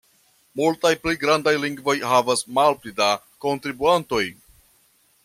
Multaj pli grandaj lingvoj havas malpli da kontribuantoj.